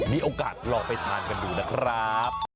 มีโอกาสลองไปทานกันดูนะครับ